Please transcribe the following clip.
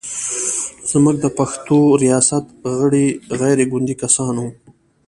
زموږ د پښتو ریاست غړي غیر ګوندي کسان و.